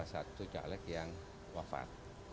satu caleg yang wafat